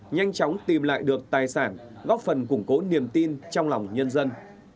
nhanh chóng tìm lại được tài sản góp phần củng cố niềm tin trong lòng nhân dân